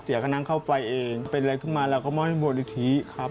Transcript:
เสียคณะเข้าไฟเองเป็นอะไรขึ้นมาเราก็ม้อยบริธีครับ